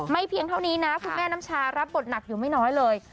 เพียงเท่านี้นะคุณแม่น้ำชารับบทหนักอยู่ไม่น้อยเลย